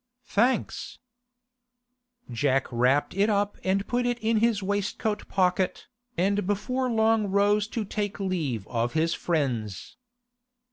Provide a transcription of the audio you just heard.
'Thanks!' Jack wrapped it up and put it in his waistcoat pocket, and before long rose to take leave of his friends.